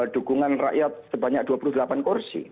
dukungan rakyat sebanyak dua puluh delapan kursi